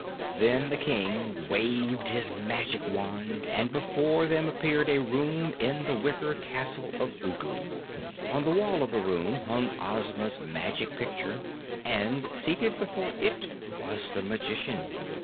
Then the King waved his metal wand and before them appeared a room in the wicker castle of Ugu. On the wall of the room hung Ozma's Magic Picture, and seated before it was the Magician.